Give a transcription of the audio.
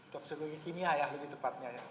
toksinologi kimia ya lebih tepatnya ya